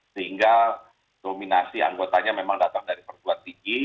sehingga dominasi anggotanya memang datang dari perguruan tinggi